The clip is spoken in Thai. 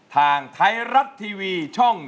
ทางไทยรัดทีวี